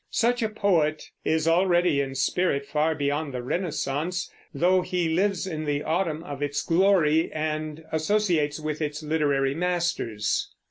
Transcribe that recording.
Such a poet is already in spirit far beyond the Renaissance, though he lives in the autumn of its glory and associates with its literary masters.